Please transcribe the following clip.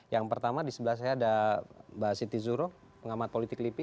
yang pertama di sebelah saya ada mbak siti zuro pengamat politik lipi